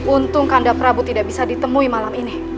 untung yanda prabu tidak bisa ditemui malam ini